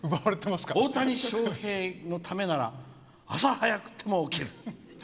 大谷翔平のためなら朝早くても起きる。